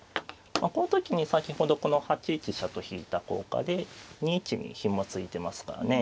この時に先ほどこの８一飛車と引いた効果で２一にひも付いてますからね。